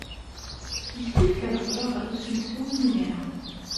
Yessefk ad qqleɣ ɣer usensu imir-a.